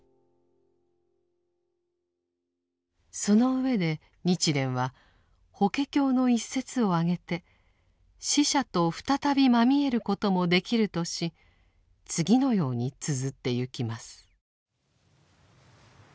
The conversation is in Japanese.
その上で日蓮は「法華経」の一節を挙げて死者と再びまみえることもできるとし次のようにつづってゆきます。